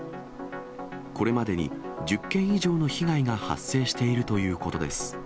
これまでに１０件以上の被害が発生しているということです。